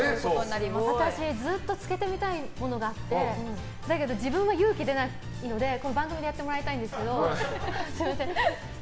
私、ずっと漬けてみたいものがあってだけど自分が勇気出ないので番組でやってもらいたいんですけど。